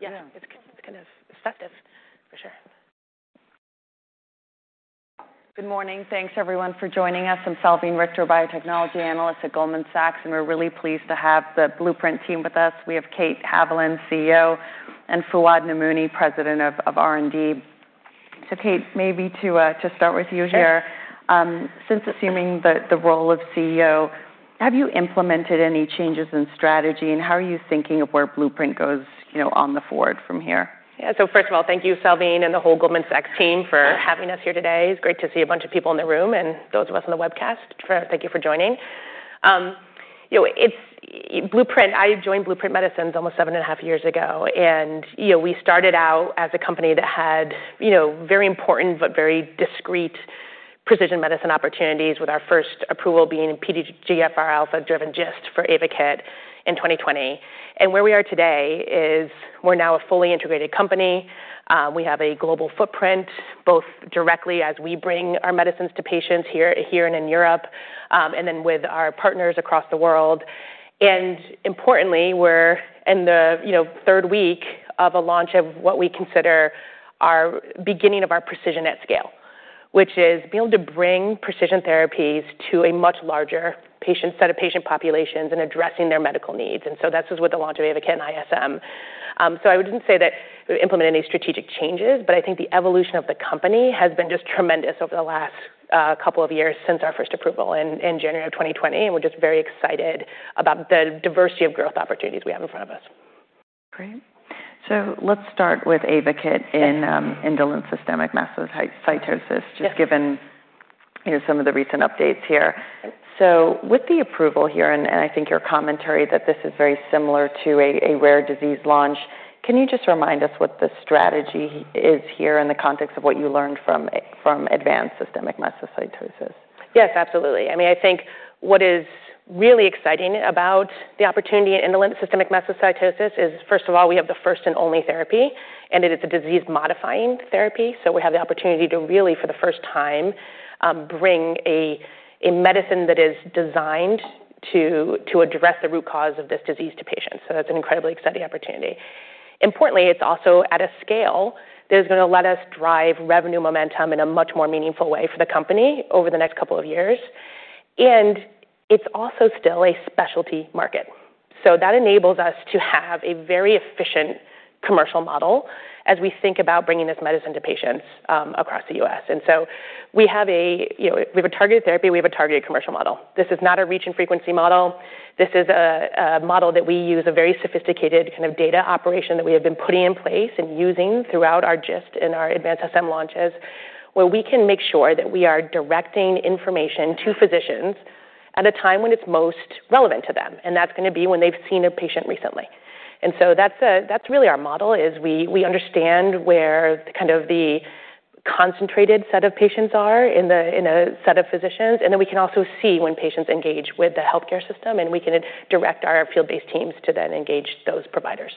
It's kind of effective, for sure. Good morning. Thanks, everyone, for joining us. I'm Salveen Richter, biotechnology analyst at Goldman Sachs. We're really pleased to have the Blueprint team with us. We have Kate Haviland, CEO, and Fouad Namouni, President of R&D. Kate, maybe to start with you here. Sure. Since assuming the role of CEO, have you implemented any changes in strategy, and how are you thinking of where Blueprint goes, you know, on the forward from here? First of all, thank you, Salveen, and the whole Goldman Sachs team for having us here today. It's great to see a bunch of people in the room and those of us on the webcast. Thank you for joining. you know, Blueprint, I joined Blueprint Medicines almost seven and a half years ago, you know, we started out as a company that had, you know, very important but very discrete precision medicine opportunities, with our first approval being in PDGFR alpha-driven GIST for AYVAKIT in 2020. Where we are today is we're now a fully integrated company. We have a global footprint, both directly as we bring our medicines to patients here and in Europe, with our partners across the world. Importantly, we're in the, you know, third week of a launch of what we consider our beginning of our Precision at Scale, which is being able to bring precision therapies to a much larger set of patient populations and addressing their medical needs. That is with the launch of AYVAKIT in ISM. I wouldn't say that we've implemented any strategic changes, but I think the evolution of the company has been just tremendous over the last couple of years since our first approval in January of 2020. We're just very excited about the diversity of growth opportunities we have in front of us. Great. Let's start with AYVAKIT in indolent systemic mastocytosis. Yes. just given, some of the recent updates here. With the approval here, and I think your commentary that this is very similar to a rare disease launch, can you just remind us what the strategy is here in the context of what you learned from advanced systemic mastocytosis? Yes, absolutely. what is really exciting about the opportunity in indolent systemic mastocytosis is, first of all, we have the first and only therapy, and it is a disease-modifying therapy, so we have the opportunity to really, for the first time, bring a medicine that is designed to address the root cause of this disease to patients. That's an incredibly exciting opportunity. Importantly, it's also at a scale that is gonna let us drive revenue momentum in a much more meaningful way for the company over the next couple of years, and it's also still a specialty market. That enables us to have a very efficient commercial model as we think about bringing this medicine to patients, across the US. You know, we have a targeted therapy. We have a targeted commercial model. This is not a reach and frequency model. This is a model that we use, a very sophisticated kind of data operation that we have been putting in place and using throughout our GIST and our Advanced SM launches, where we can make sure that we are directing information to physicians at a time when it's most relevant to them, and that's gonna be when they've seen a patient recently. That's really our model, is we understand where kind of the concentrated set of patients are in a set of physicians, and then we can also see when patients engage with the healthcare system, and we can direct our field-based teams to then engage those providers.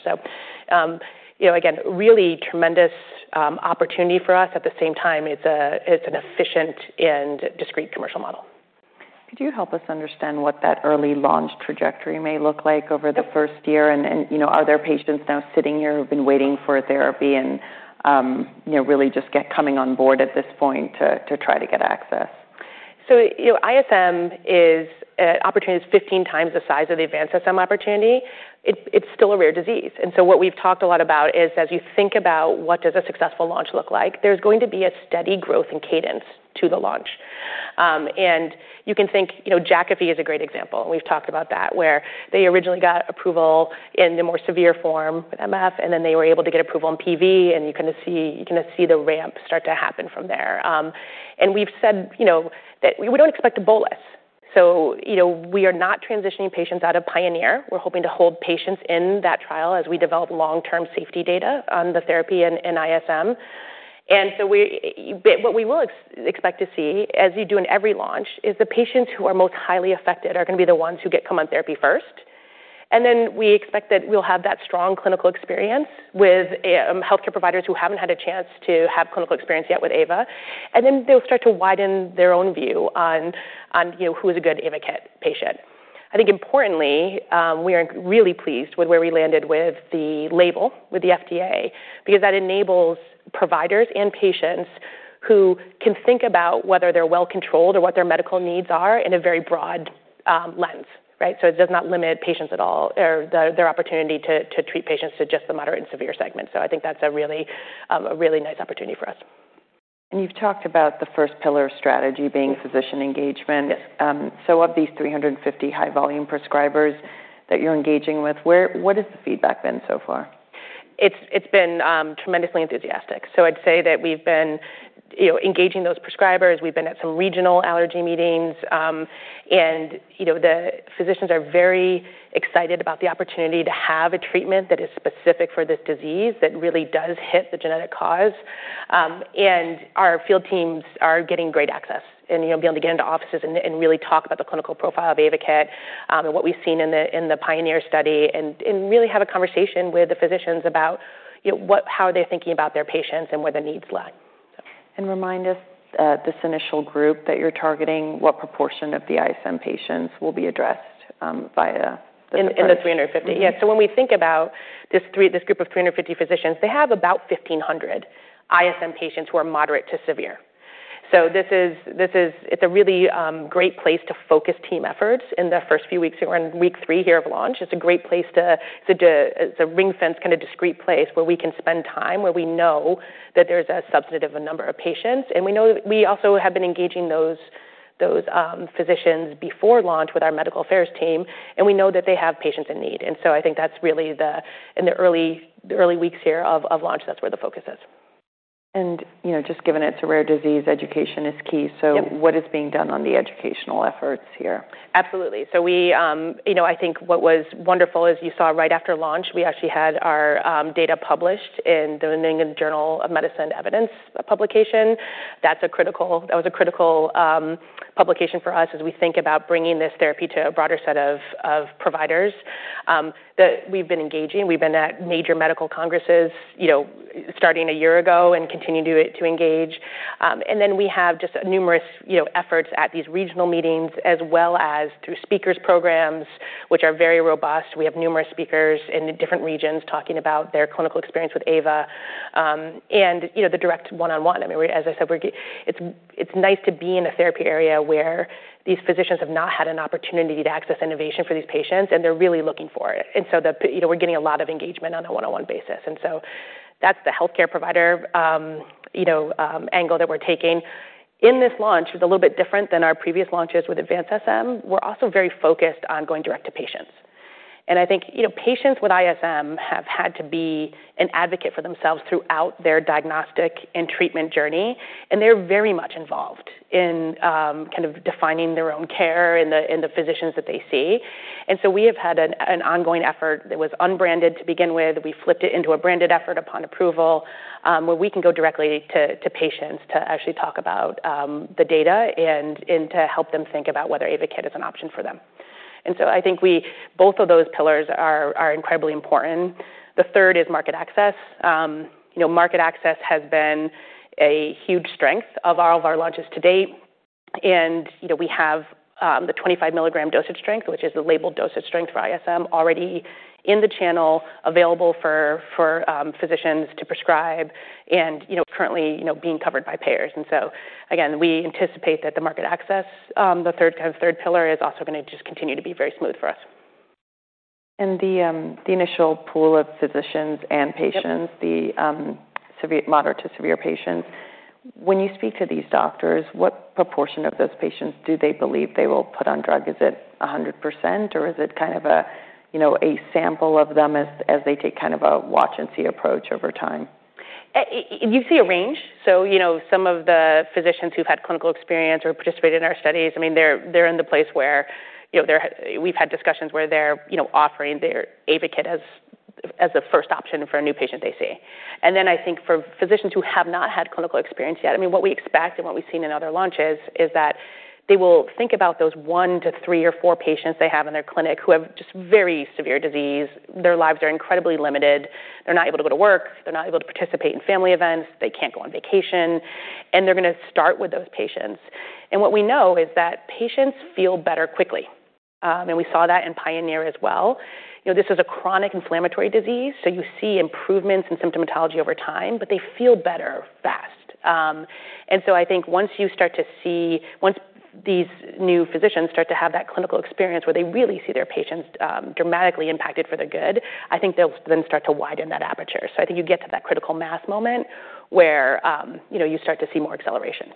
You know, again, really tremendous opportunity for us. At the same time, it's an efficient and discrete commercial model. Could you help us understand what that early launch trajectory may look like over the first year? Sure. You know, are there patients now sitting here who've been waiting for a therapy and, you know, really just get coming on board at this point to try to get access? You know, ISM is an opportunity that's 15 times the size of the advanced SM opportunity. It's still a rare disease, what we've talked a lot about is, as you think about what does a successful launch look like, there's going to be a steady growth in cadence to the launch. You know, Jakafi is a great example. We've talked about that, where they originally got approval in the more severe form, MF, and then they were able to get approval on PV, and you kind of see the ramp start to happen from there. We've said, you know, that we don't expect a bolus, you know, we are not transitioning patients out of PIONEER. We're hoping to hold patients in that trial as we develop long-term safety data on the therapy in ISM. What we will expect to see, as you do in every launch, is the patients who are most highly affected are gonna be the ones who get come on therapy first. Then we expect that we'll have that strong clinical experience with healthcare providers who haven't had a chance to have clinical experience yet with AVA, and then they'll start to widen their own view on, you know, who is a good AYVAKIT patient. I think importantly, we are really pleased with where we landed with the label, with the FDA, because that enables providers and patients who can think about whether they're well-controlled or what their medical needs are in a very broad lens, right? It does not limit patients at all, or their opportunity to treat patients to just the moderate and severe segment. I think that's a really, a really nice opportunity for us. You've talked about the first pillar of strategy being physician engagement. Yes. These 350 high-volume prescribers that you're engaging with, what has the feedback been so far? It's been tremendously enthusiastic. I'd say that we've been, you know, engaging those prescribers. We've been at some regional allergy meetings, and, you know, the physicians are very excited about the opportunity to have a treatment that is specific for this disease, that really does hit the genetic cause. Our field teams are getting great access and, you know, being able to get into offices and really talk about the clinical profile of AYVAKIT, and what we've seen in the PIONEER study, and really have a conversation with the physicians about, you know, how they're thinking about their patients and where the needs lie. Remind us, this initial group that you're targeting, what proportion of the ISM patients will be addressed, via the? In, in the three hundred and fifty? Mm-hmm. When we think about this group of 350 physicians, they have about 1,500 ISM patients who are moderate to severe. This is, it's a really great place to focus team efforts in the first few weeks. We're in week 3 here of launch. It's a great place to do. It's a ring-fence, kind of, discrete place where we can spend time, where we know that there's a substantive number of patients, and we know that we also have been engaging those physicians before launch with our medical affairs team, and we know that they have patients in need. I think that's really in the early weeks here of launch, that's where the focus is. You know, just given it's a rare disease, education is key. Yep. What is being done on the educational efforts here? Absolutely. We, you know, I think what was wonderful is you saw right after launch, we actually had our data published in the New England Journal of Medicine Evidence publication. That was a critical publication for us as we think about bringing this therapy to a broader set of providers that we've been engaging. We've been at major medical congresses, you know, starting a year ago and continue to engage. We have just numerous, you know, efforts at these regional meetings, as well as through speakers programs, which are very robust. We have numerous speakers in the different regions talking about their clinical experience with Ava, and, you know, the direct one-on-one. I mean, as I said, it's nice to be in a therapy area where these physicians have not had an opportunity to access innovation for these patients, and they're really looking for it. The, you know, we're getting a lot of engagement on a one-on-one basis, and so that's the healthcare provider, you know, angle that we're taking. In this launch, it's a little bit different than our previous launches with advanced SM. We're also very focused on going direct to patients. I think, you know, patients with ISM have had to be an advocate for themselves throughout their diagnostic and treatment journey, and they're very much involved in, kind of defining their own care and the physicians that they see. We have had an ongoing effort that was unbranded to begin with. We flipped it into a branded effort upon approval, where we can go directly to patients to actually talk about the data and to help them think about whether AYVAKIT is an option for them. I think both of those pillars are incredibly important. The third is market access. You know, market access has been a huge strength of all of our launches to date. You know, we have the 25 milligram dosage strength, which is the labeled dosage strength for ISM, already in the channel, available for physicians to prescribe and, you know, currently, you know, being covered by payers. Again, we anticipate that the market access, the third, kind of, third pillar, is also gonna just continue to be very smooth for us. The initial pool of physicians and patients. Yep. The severe, moderate to severe patients, when you speak to these doctors, what proportion of those patients do they believe they will put on drug? Is it 100%, or is it kind of a, you know, a sample of them as they take kind of a watch and see approach over time? You see a range. You know, some of the physicians who've had clinical experience or participated in our studies, I mean, they're in the place where, you know, we've had discussions where they're, you know, offering their AYVAKIT as a first option for a new patient they see. I think for physicians who have not had clinical experience yet, I mean, what we expect and what we've seen in other launches is that they will think about those one to three or four patients they have in their clinic who have just very severe disease. Their lives are incredibly limited. They're not able to go to work. They're not able to participate in family events. They can't go on vacation, and they're gonna start with those patients. What we know is that patients feel better quickly, and we saw that in PIONEER as well. You know, this is a chronic inflammatory disease, so you see improvements in symptomatology over time, but they feel better fast. I think once these new physicians start to have that clinical experience where they really see their patients dramatically impacted for the good, I think they'll then start to widen that aperture. I think you get to that critical mass moment where, you know, you start to see more acceleration.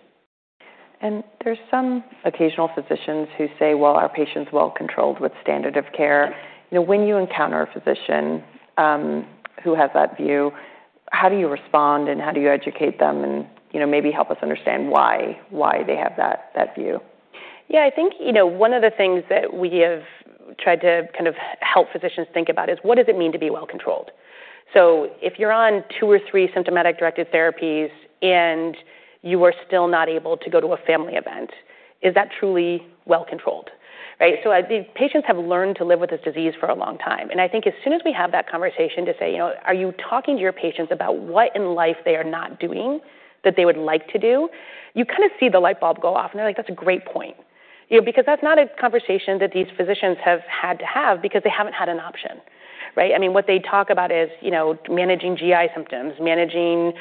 There's some occasional physicians who say, "Well, our patient's well-controlled with standard of care. Yep. You know, when you encounter a physician, who has that view, how do you respond, and how do you educate them and, you know, maybe help us understand why they have that view? Yeah, I think, you know, one of the things that we have tried to kind of help physicians think about is: what does it mean to be well-controlled? If you're on 2 or 3 symptomatic directed therapies and you are still not able to go to a family event, is that truly well-controlled, right? I think patients have learned to live with this disease for a long time, and I think as soon as we have that conversation to say, you know, "Are you talking to your patients about what in life they are not doing that they would like to do?" You kind of see the light bulb go off, and they're like, "That's a great point." You know, because that's not a conversation that these physicians have had to have because they haven't had an option, right? I mean, what they talk about is, you know, managing GI symptoms, managing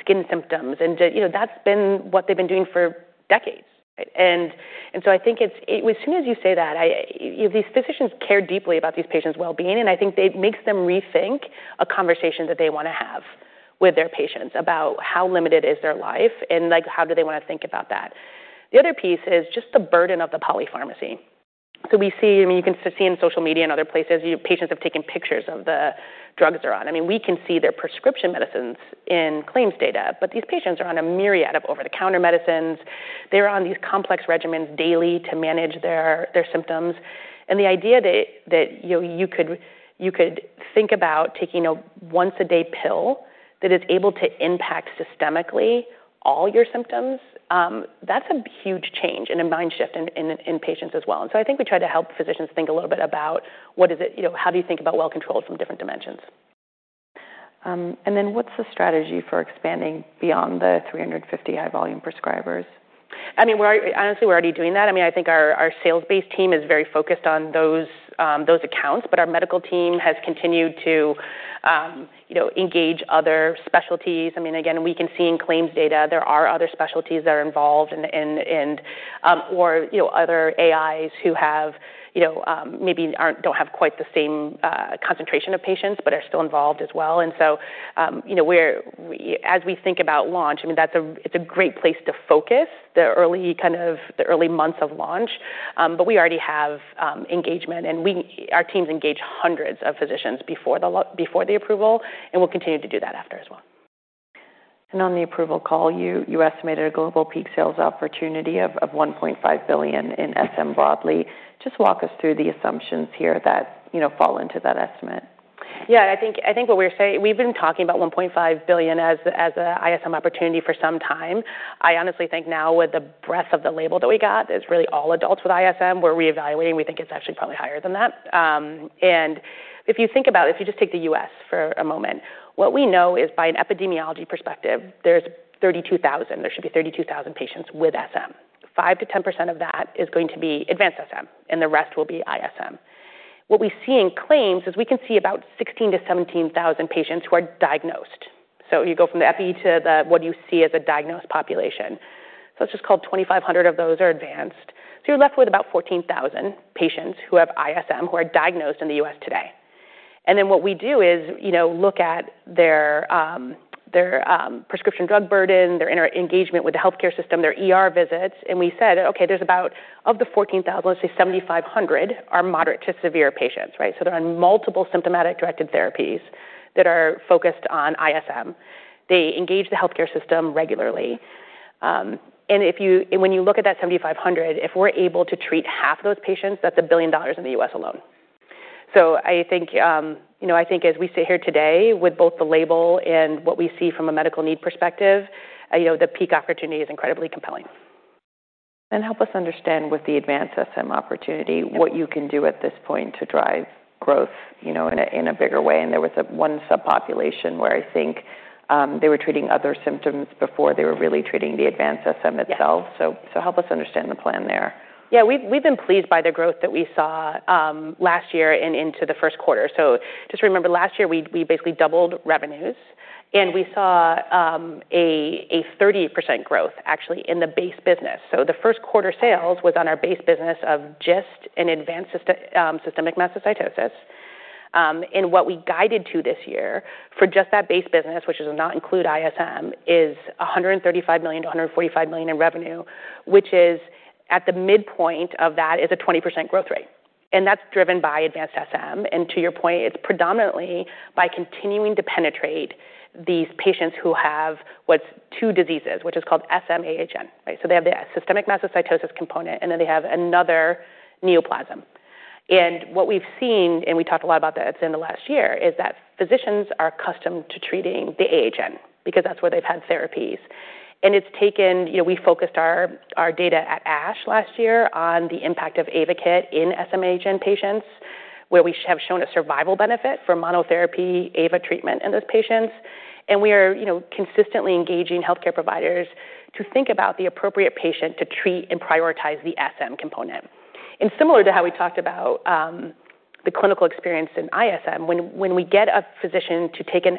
skin symptoms, and you know, that's been what they've been doing for decades. I think it's as soon as you say that, I, these physicians care deeply about these patients' well-being, and I think it makes them rethink a conversation that they wanna have with their patients about how limited is their life and, like, how do they wanna think about that. The other piece is just the burden of the polypharmacy. We see, I mean, you can see in social media and other places, your patients have taken pictures of the drugs they're on. I mean, we can see their prescription medicines in claims data, but these patients are on a myriad of over-the-counter medicines. They're on these complex regimens daily to manage their symptoms. The idea that, you know, you could think about taking a once-a-day pill that is able to impact systemically all your symptoms, that's a huge change and a mind shift in patients as well. I think we try to help physicians think a little bit about You know, how do you think about well-controlled from different dimensions?... What's the strategy for expanding beyond the 350 high volume prescribers? I mean, we're, honestly, we're already doing that. I mean, I think our sales-based team is very focused on those accounts, but our medical team has continued to, you know, engage other specialties. I mean, again, we can see in claims data there are other specialties that are involved in the, in, and, or, you know, other AIs who have, you know, don't have quite the same concentration of patients but are still involved as well. You know, as we think about launch, I mean, that's a, it's a great place to focus, the early kind of, the early months of launch. We already have engagement, and our teams engage hundreds of physicians before the approval, and we'll continue to do that after as well. On the approval call, you estimated a global peak sales opportunity of $1.5 billion in SM broadly. Just walk us through the assumptions here that, you know, fall into that estimate? Yeah, I think what we're saying. We've been talking about $1.5 billion as a ISM opportunity for some time. I honestly think now, with the breadth of the label that we got, it's really all adults with ISM, we're reevaluating. We think it's actually probably higher than that. If you think about it, if you just take the U.S. for a moment, what we know is, by an epidemiology perspective, there's 32,000. There should be 32,000 patients with SM. 5%-10% of that is going to be advanced SM, and the rest will be ISM. What we see in claims is we can see about 16,000-17,000 patients who are diagnosed. You go from the epi to the, what you see as a diagnosed population. Let's just call it 2,500 of those are advanced. You're left with about 14,000 patients who have ISM, who are diagnosed in the U.S. today. What we do is, you know, look at their prescription drug burden, their inter engagement with the healthcare system, their ER visits, and we said, "Okay, there's about, of the 14,000, let's say 7,500 are moderate to severe patients," right? They're on multiple symptomatic-directed therapies that are focused on ISM. They engage the healthcare system regularly. And when you look at that 7,500, if we're able to treat half those patients, that's $1 billion in the U.S. alone. I think, you know, I think as we sit here today with both the label and what we see from a medical need perspective, you know, the peak opportunity is incredibly compelling. Help us understand, with the advanced SM opportunity, what you can do at this point to drive growth, you know, in a, in a bigger way. There was a one subpopulation where I think, they were treating other symptoms before they were really treating the advanced SM itself. Yeah. Help us understand the plan there. Yeah, we've been pleased by the growth that we saw last year and into the first quarter. Just remember, last year, we basically doubled revenues, and we saw a 30% growth actually in the base business. The first quarter sales was on our base business of just an advanced systemic mastocytosis. What we guided to this year for just that base business, which does not include ISM, is $135 million-$145 million in revenue, which is, at the midpoint of that, is a 20% growth rate, and that's driven by advanced SM. To your point, it's predominantly by continuing to penetrate these patients who have what's two diseases, which is called SM-AHN. Right? They have the systemic mastocytosis component, and then they have another neoplasm. What we've seen, and we talked a lot about that in the last year, is that physicians are accustomed to treating the AHN because that's where they've had therapies. It's taken. You know, we focused our data at ASH last year on the impact of AYVAKIT in SM-AHN patients, where we have shown a survival benefit for monotherapy AVA treatment in those patients. We are, you know, consistently engaging healthcare providers to think about the appropriate patient to treat and prioritize the SM component. Similar to how we talked about the clinical experience in ISM, when we get a physician to take a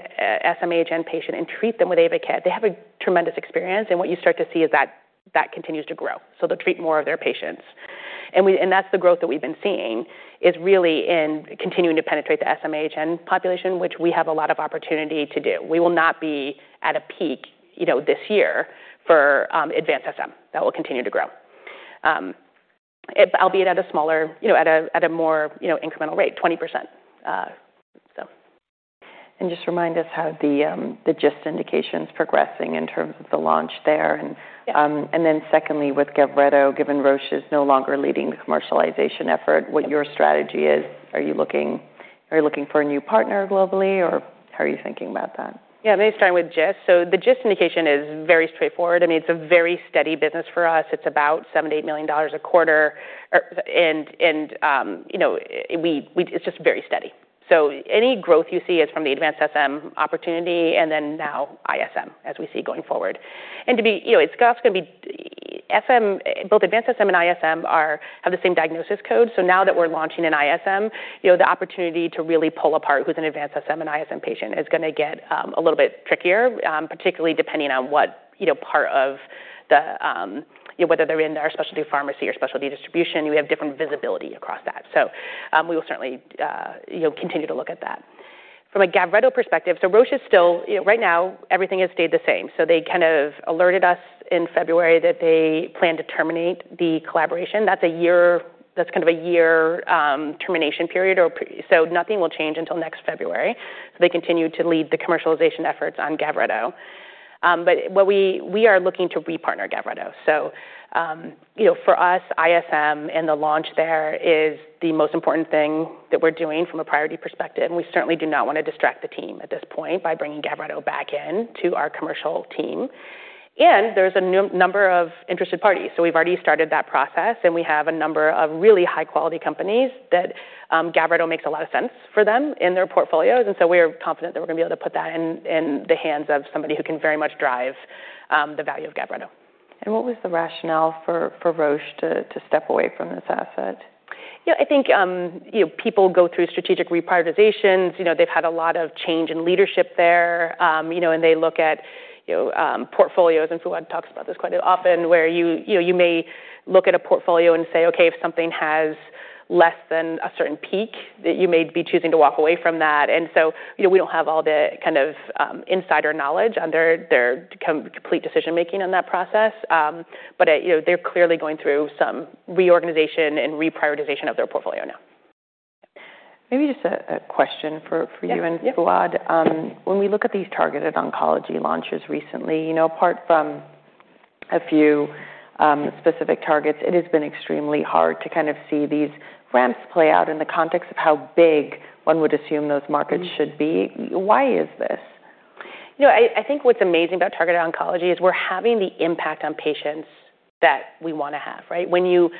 SM-AHN patient and treat them with AYVAKIT, they have a tremendous experience, and what you start to see is that that continues to grow. They'll treat more of their patients. We, and that's the growth that we've been seeing, is really in continuing to penetrate the SM-AHN population, which we have a lot of opportunity to do. We will not be at a peak, you know, this year for advanced SM. That will continue to grow. Albeit at a smaller, you know, at a, at a more, you know, incremental rate, 20%, so. Just remind us how the GIST indication's progressing in terms of the launch there? Yeah. Secondly, with GAVRETO, given Roche is no longer leading the commercialization effort. Yeah. what your strategy is? Are you looking for a new partner globally, or how are you thinking about that? Yeah. Let me start with GIST. The GIST indication is very straightforward. I mean, it's a very steady business for us. It's about $7 million-$8 million a quarter, or... you know, it's just very steady. Any growth you see is from the advanced SM opportunity and then now ISM, as we see going forward. To be, you know, it's gonna have to be, both advanced SM and ISM are, have the same diagnosis code. Now that we're launching an ISM, you know, the opportunity to really pull apart who's an advanced SM and ISM patient is gonna get a little bit trickier, particularly depending on what, you know, part of the, you know, whether they're in our specialty pharmacy or specialty distribution. We have different visibility across that. We will certainly, you know, continue to look at that. From a GAVRETO perspective, Roche is still. You know, right now, everything has stayed the same. They kind of alerted us in February that they plan to terminate the collaboration. That's a year, that's kind of a year termination period, so nothing will change until next February. They continue to lead the commercialization efforts on GAVRETO. But what we are looking to repartner GAVRETO. You know, for us, ISM and the launch there is the most important thing that we're doing from a priority perspective, and we certainly do not want to distract the team at this point by bringing GAVRETO back in to our commercial team. There's a number of interested parties, so we've already started that process, and we have a number of really high-quality companies that GAVRETO makes a lot of sense for them in their portfolios, and so we are confident that we're gonna be able to put that in the hands of somebody who can very much drive the value of GAVRETO. What was the rationale for Roche to step away from this asset? I think, you know, people go through strategic reprioritizations. You know, they've had a lot of change in leadership there, you know, and they look at, you know, portfolios, and Fouad talks about this quite often, where you know, you may look at a portfolio and say, "Okay, if something has less than a certain peak," that you may be choosing to walk away from that. You know, we don't have all the kind of, insider knowledge on their complete decision-making on that process, but, you know, they're clearly going through some reorganization and reprioritization of their portfolio now. Maybe just a question for you. Yep. Fouad. When we look at these targeted oncology launches recently, you know, apart from a few, specific targets, it has been extremely hard to kind of see these ramps play out in the context of how big one would assume those markets should be. Why is this? You know, I think what's amazing about targeted oncology is we're having the impact on patients that we wanna have, right? When you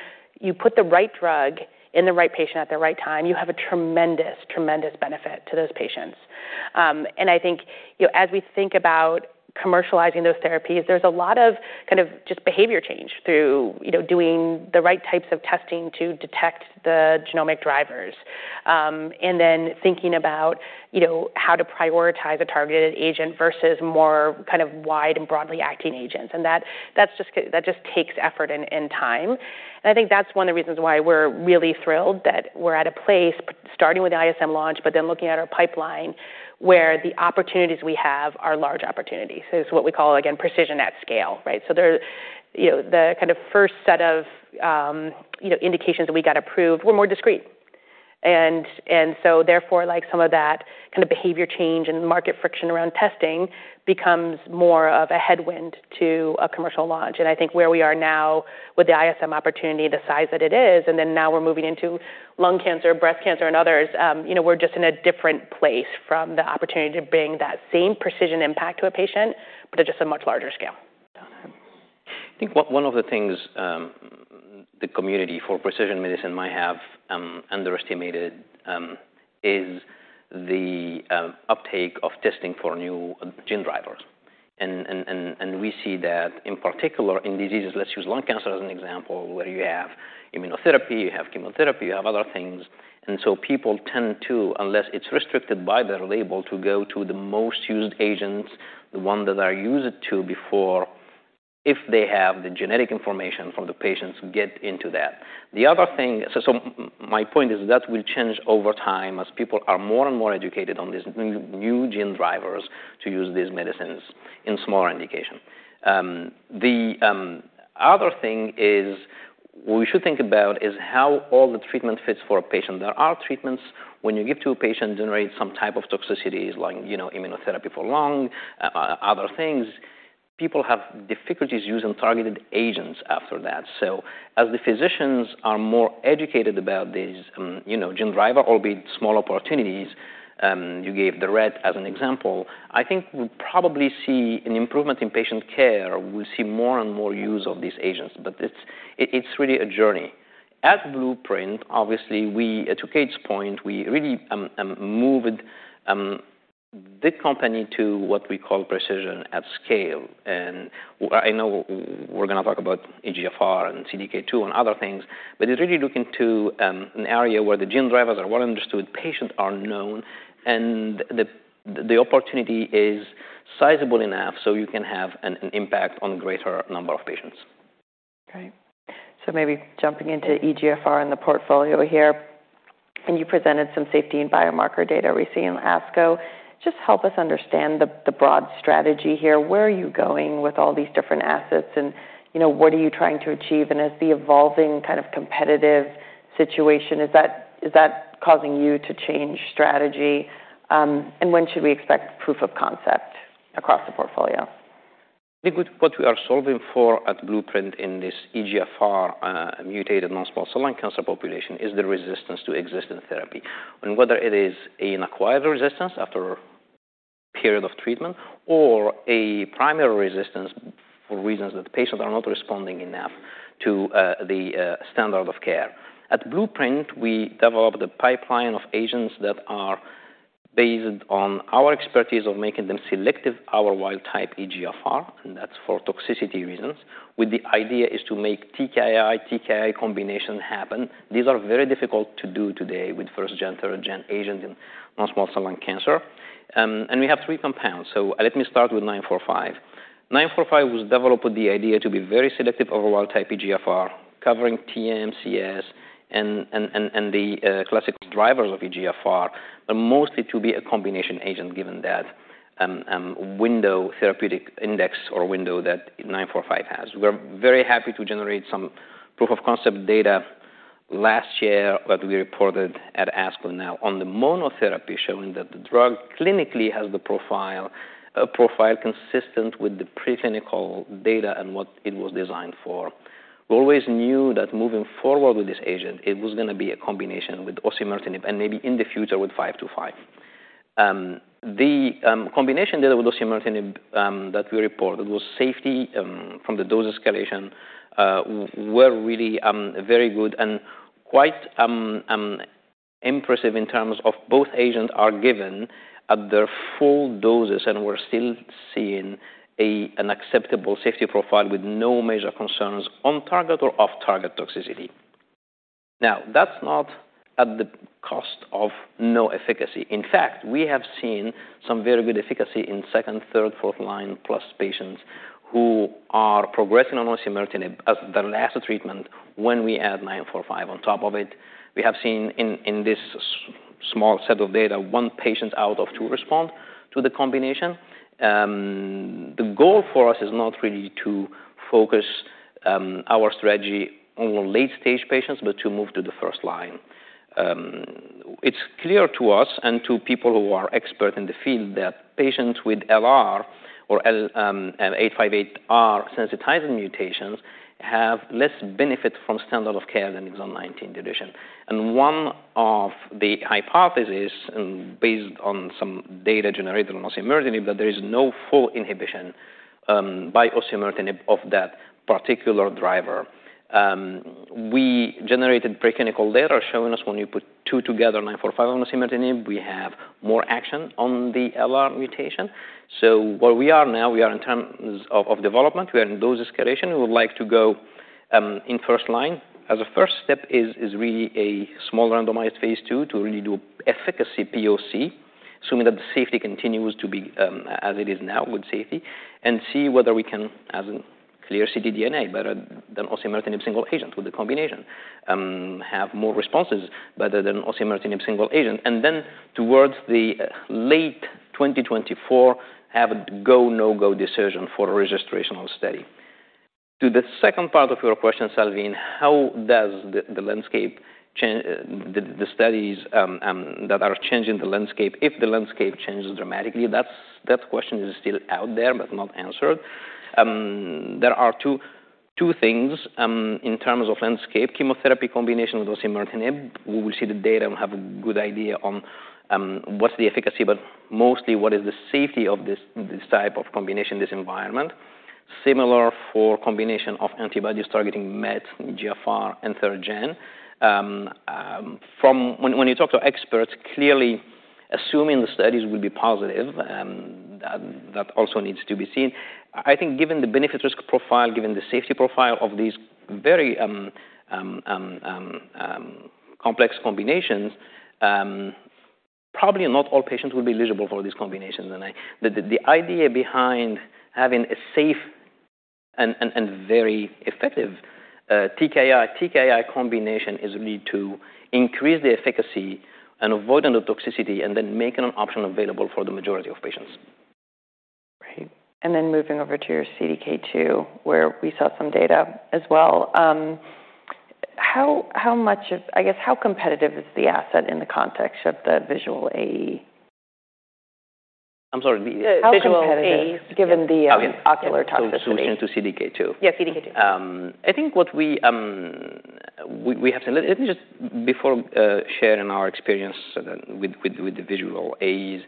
put the right drug in the right patient at the right time, you have a tremendous benefit to those patients. I think, you know, as we think about commercializing those therapies, there's a lot of kind of just behavior change through, you know, doing the right types of testing to detect the genomic drivers, and then thinking about, you know, how to prioritize a targeted agent versus more kind of wide and broadly acting agents, and that just takes effort and time. I think that's one of the reasons why we're really thrilled that we're at a place, starting with the ISM launch, but then looking at our pipeline, where the opportunities we have are large opportunities. It's what we call, again, Precision at Scale, right? You know, the kind of first set of, you know, indications that we got approved were more discrete. Therefore, like, some of that kind of behavior change and market friction around testing becomes more of a headwind to a commercial launch. I think where we are now with the ISM opportunity, the size that it is, and then now we're moving into lung cancer, breast cancer, and others, you know, we're just in a different place from the opportunity to bring that same precision impact to a patient, but at just a much larger scale. Got it. I think one of the things the community for precision medicine might have underestimated is the uptake of testing for new gene drivers. We see that in particular in diseases, let's use lung cancer as an example, where you have immunotherapy, you have chemotherapy, you have other things. People tend to, unless it's restricted by their label, to go to the most used agents, the ones that are used to before, if they have the genetic information from the patients, get into that. The other thing. My point is that will change over time as people are more and more educated on these new gene drivers to use these medicines in smaller indication. The other thing is, we should think about is how all the treatment fits for a patient. There are treatments when you give to a patient, generate some type of toxicities like, you know, immunotherapy for lung, other things. People have difficulties using targeted agents after that. As the physicians are more educated about these, you know, gene driver, albeit small opportunities, you gave the RET as an example, I think we'll probably see an improvement in patient care. We'll see more and more use of these agents, but it's really a journey. At Blueprint Medicines, obviously, to Kate's point, we really moved the company to what we call Precision at Scale. I know we're gonna talk about EGFR and CDK2 and other things, but it's really looking to an area where the gene drivers are well understood, patients are known, and the opportunity is sizable enough, so you can have an impact on greater number of patients. Maybe jumping into EGFR and the portfolio here, you presented some safety and biomarker data we see in ASCO. Just help us understand the broad strategy here. Where are you going with all these different assets? You know, what are you trying to achieve? As the evolving kind of competitive situation, is that causing you to change strategy? When should we expect proof of concept across the portfolio? I think what we are solving for at Blueprint in this EGFR mutated non-small cell lung cancer population, is the resistance to existing therapy. Whether it is an acquired resistance after period of treatment, or a primary resistance, for reasons that the patients are not responding enough to the standard of care. At Blueprint, we developed a pipeline of agents that are based on our expertise of making them selective our wild-type EGFR. That's for toxicity reasons, with the idea is to make TKI/TKI combination happen. These are very difficult to do today with first-gen, third-gen agents in non-small cell lung cancer. We have three compounds, let me start with 945. 945 was developed with the idea to be very selective over wild-type EGFR, covering TMCS and the classic drivers of EGFR, but mostly to be a combination agent, given that window therapeutic index or window that 945 has. We're very happy to generate some proof of concept data last year that we reported at ASCO now on the monotherapy, showing that the drug clinically has the profile, a profile consistent with the preclinical data and what it was designed for. We always knew that moving forward with this agent, it was gonna be a combination with osimertinib, and maybe in the future, with 525. The combination of the osimertinib that we reported was safety from the dose escalation were really very good and quite impressive in terms of both agents are given at their full doses, and we're still seeing an acceptable safety profile with no major concerns on-target or off-target toxicity. That's not at the cost of no efficacy. In fact, we have seen some very good efficacy in second, third, fourth line plus patients who are progressing on osimertinib as the last treatment when we add 945 on top of it. We have seen in this small set of data, one patient out of two respond to the combination. The goal for us is not really to focus our strategy on late-stage patients, but to move to the first line. It's clear to us and to people who are expert in the field that patients with L858R sensitizing mutations have less benefit from standard of care than exon 19 deletion. One of the hypotheses, and based on some data generated on osimertinib, that there is no full inhibition by osimertinib of that particular driver. We generated preclinical data showing us when you put two together, BLU-945 on osimertinib, we have more action on the LR mutation. Where we are now, we are in terms of development, we are in dose escalation. We would like to go in first line. As a first step is really a small randomized phase II to really do efficacy POC, assuming that the safety continues to be as it is now with safety, and see whether we can, as in clear ctDNA, better than osimertinib single agent with the combination, have more responses better than osimertinib single agent. Towards the late 2024, have a go, no-go decision for a registrational study. To the second part of your question, Salveen, how does the landscape the studies that are changing the landscape, if the landscape changes dramatically, that question is still out there, not answered. There are two things in terms of landscape. Chemotherapy combination with osimertinib, we will see the data and have a good idea on what's the efficacy, but mostly what is the safety of this type of combination, this environment. Similar for combination of antibodies targeting MET, EGFR, and third-gen. When you talk to experts, clearly assuming the studies will be positive, that also needs to be seen. I think given the benefit risk profile, given the safety profile of these very complex combinations, probably not all patients will be eligible for these combinations. The idea behind having a safe and very effective TKI combination is really to increase the efficacy and avoid any toxicity, and then make an option available for the majority of patients. Great. Moving over to your CDK2, where we saw some data as well. I guess, how competitive is the asset in the context of the visual AE? I'm sorry. The visual AEs. Okay. Given the ocular toxicity. Solution to CDK2? Yes, CDK2. Let me just before sharing our experience with the visual AEs,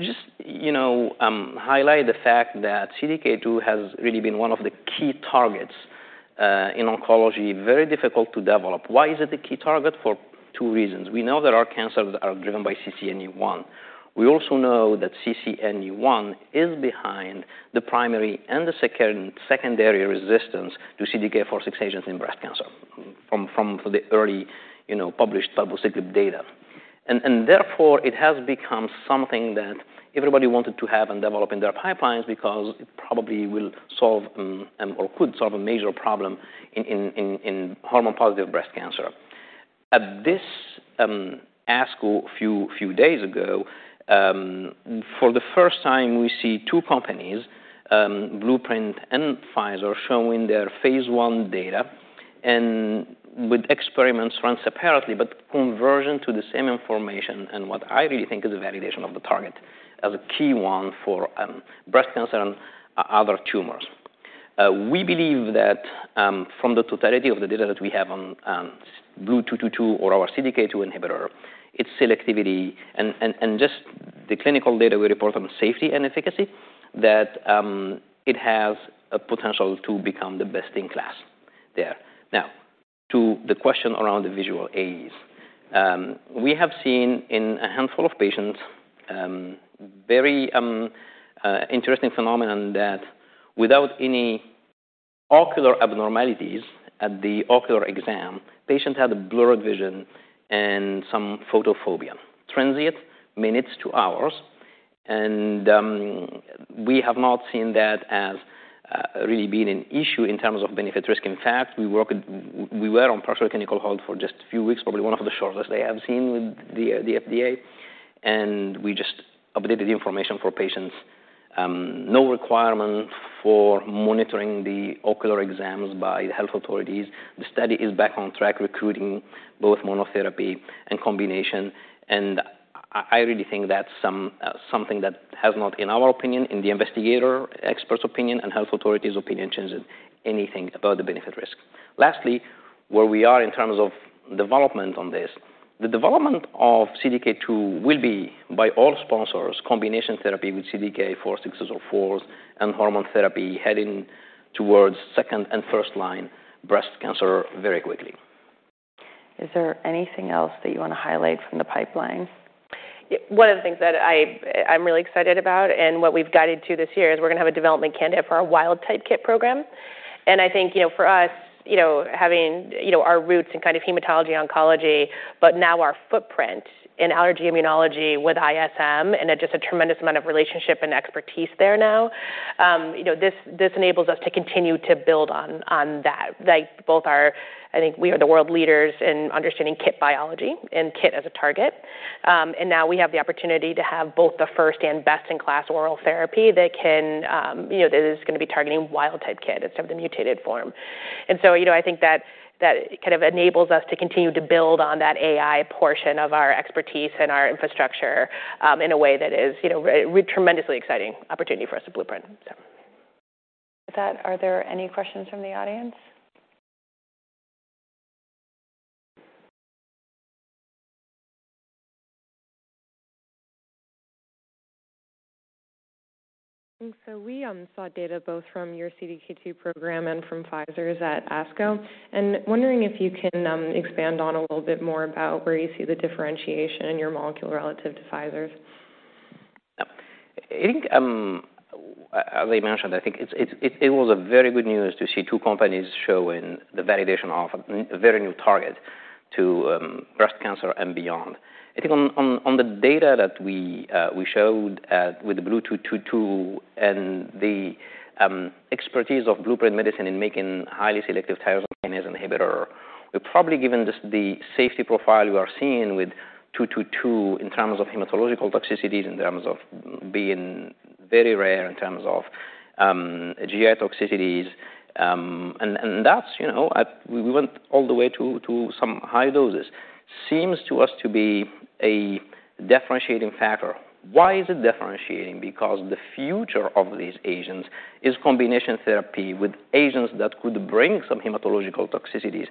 just, you know, highlight the fact that CDK2 has really been 1 of the key targets in oncology, very difficult to develop. Why is it a key target? For 2 reasons. We know that our cancers are driven by CCNE1. We also know that CCNE1 is behind the primary and the secondary resistance to CDK4/6 agents in breast cancer, from the early, you know, published public safety data. Therefore, it has become something that everybody wanted to have and develop in their pipelines because it probably will solve or could solve a major problem in hormone-positive breast cancer. At this ASCO few days ago, for the first time, we see two companies, Blueprint and Pfizer, showing their phase 1 data and with experiments run separately, but convergent to the same information, and what I really think is a validation of the target as a key one for breast cancer and other tumors. We believe that from the totality of the data that we have on BLU-222 or our CDK2 inhibitor, its selectivity and just the clinical data we report on safety and efficacy, that it has a potential to become the best in class there. To the question around the visual AEs. We have seen in a handful of patients, very interesting phenomenon that without any ocular abnormalities at the ocular exam, patients had a blurred vision and some photophobia, transient, minutes to hours, and we have not seen that as really being an issue in terms of benefit risk. We were on partial clinical hold for just a few weeks, probably one of the shortest I have seen with the FDA, and we just updated the information for patients. No requirement for monitoring the ocular exams by the health authorities. The study is back on track, recruiting both monotherapy and combination, and I really think that's something that has not, in our opinion, in the investigator expert's opinion and health authorities' opinion, changed anything about the benefit risk. Lastly, where we are in terms of development on this, the development of CDK2 will be by all sponsors, combination therapy with CDK4/6 inhibitors and hormone therapy heading towards second- and first-line breast cancer very quickly. Is there anything else that you want to highlight from the pipeline? Yeah, one of the things that I'm really excited about and what we've guided to this year is we're going to have a development candidate for our wild-type KIT program. I think, you know, for us, you know, having, you know, our roots in kind of hematology oncology, but now our footprint in allergy immunology with ISM and just a tremendous amount of relationship and expertise there now, you know, this enables us to continue to build on that. Like, I think we are the world leaders in understanding KIT biology and KIT as a target. Now we have the opportunity to have both the first and best-in-class oral therapy that can, you know, that is going to be targeting wild-type KIT instead of the mutated form. you know, I think that kind of enables us to continue to build on that AI portion of our expertise and our infrastructure, in a way that is, you know, tremendously exciting opportunity for us at Blueprint, so. With that, are there any questions from the audience? We saw data both from your CDK2 program and from Pfizer's at ASCO, and wondering if you can expand on a little bit more about where you see the differentiation in your molecule relative to Pfizer's? I think, as I mentioned, I think it was a very good news to see two companies showing the validation of a very new target to breast cancer and beyond. I think on the data that we showed at with the BLU-222 and the expertise of Blueprint Medicines in making highly selective tyrosine inhibitor, we're probably given this the safety profile we are seeing with 222 in terms of hematological toxicities, in terms of being very rare, in terms of GI toxicities. That's, you know, at we went all the way to some high doses, seems to us to be a differentiating factor. Why is it differentiating? Because the future of these agents is combination therapy with agents that could bring some hematological toxicities.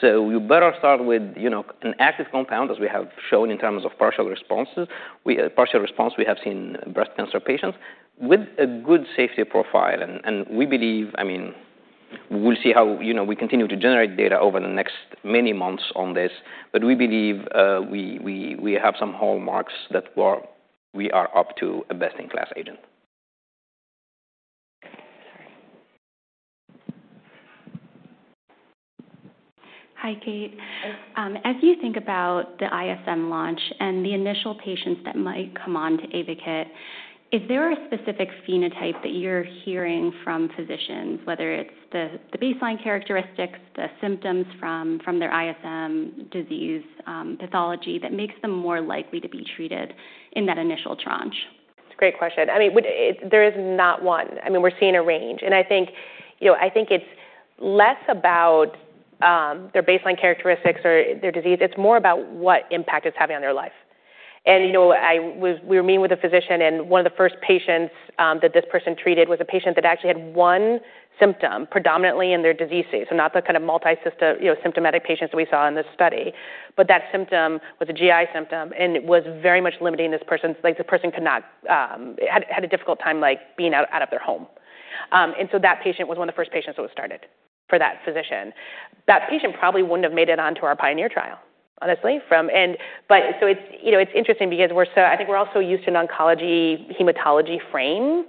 You better start with, you know, an active compound, as we have shown in terms of partial responses. We, partial response, we have seen in breast cancer patients with a good safety profile. We believe I mean, we'll see how, you know, we continue to generate data over the next many months on this. We believe, we have some hallmarks that we are up to a best-in-class agent. Sorry. Hi, Kate. Hi. As you think about the ISM launch and the initial patients that might come on to AYVAKIT, is there a specific phenotype that you're hearing from physicians, whether it's the baseline characteristics, the symptoms from their ISM disease, pathology, that makes them more likely to be treated in that initial tranche? It's a great question. I mean, with it, there is not one. I mean, we're seeing a range, and I think, you know, I think it's less about their baseline characteristics or their disease. It's more about what impact it's having on their life. You know, we were meeting with a physician, and one of the first patients that this person treated was a patient that actually had one symptom predominantly in their disease, so not the kind of multisystem, you know, symptomatic patients that we saw in this study. That symptom was a GI symptom, and it was very much limiting this person's. Like, the person could not. Had a difficult time, like, being out of their home. So that patient was one of the first patients that was started for that physician. That patient probably wouldn't have made it onto our PIONEER trial, honestly. It's, you know, it's interesting because I think we're all so used to an oncology hematology frame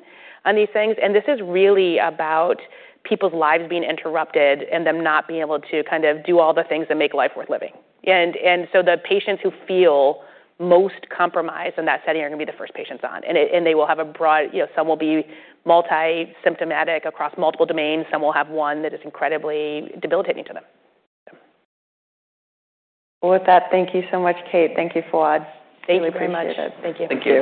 on these things, and this is really about people's lives being interrupted and them not being able to kind of do all the things that make life worth living. The patients who feel most compromised in that setting are going to be the first patients on, and they will have a broad you know, some will be multi-symptomatic across multiple domains, some will have one that is incredibly debilitating to them. Thank you so much, Kate. Thank you, Fouad. Thank you very much. We appreciate it. Thank you. Thank you.